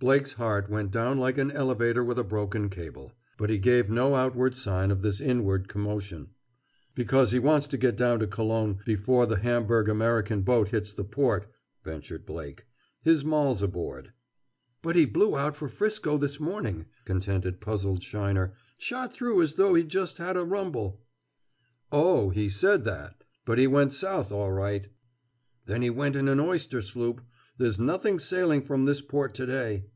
Blake's heart went down like an elevator with a broken cable. But he gave no outward sign of this inward commotion. "Because he wants to get down to Colon before the Hamburg American boat hits the port," ventured Blake. "His moll's aboard!" "But he blew out for 'Frisco this morning," contended the puzzled Sheiner. "Shot through as though he'd just had a rumble!" "Oh, he said that, but he went south, all right." "Then he went in an oyster sloop. There's nothing sailing from this port to day."